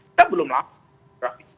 kita belum lakukan